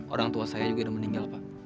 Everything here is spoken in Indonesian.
orang tua saya juga sudah meninggal pak